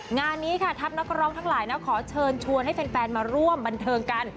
งานนี้ค่ะทัพนักร้องทั้งหลายนะขอเชิญชวนให้แฟนมาร่วมบันเทิงกัน